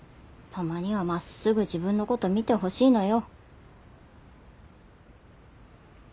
たまにはまっすぐ自分のこと見てほしいのよ。